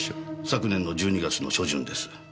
昨年の１２月の初旬です。